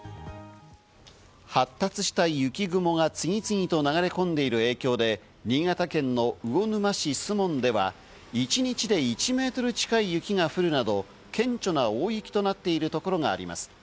発達した雪雲が次々と流れ込んでいる影響で新潟県の魚沼市守門では一日で１メートル近い雪が降るなど、顕著な大雪となっているところがあります。